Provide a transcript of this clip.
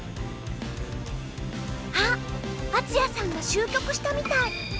あっ敦也さんが終局したみたい。